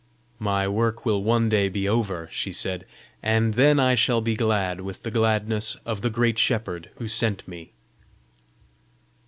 "My work will one day be over," she said, "and then I shall be glad with the gladness of the great shepherd who sent me."